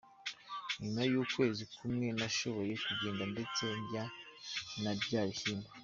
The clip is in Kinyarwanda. Nyuma y’ukwezi kumwe nashoboye kugenda ndetse ndya na bya bishyimbo.